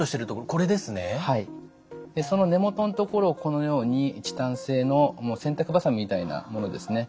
その根元のところをこのようにチタン製の洗濯ばさみみたいなものですね